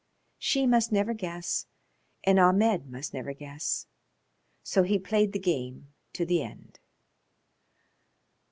She must never guess and Ahmed must never guess, so he played the game to the end.